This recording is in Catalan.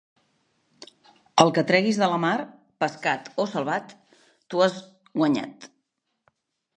El que treguis de la mar, pescat o salvat, t'ho has guanyat.